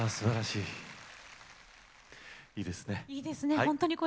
いいですね。